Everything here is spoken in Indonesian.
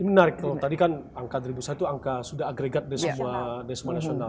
ini menarik kalau tadi kan angka dua ribu satu angka sudah agregat dan sebagainya